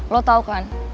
lo tau kan